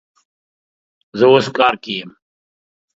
زه اوس کار کی یم